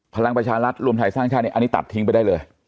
พลังประชารัฐรวมไทยสร้างชาติเนี่ยอันนี้ตัดทิ้งไปได้เลย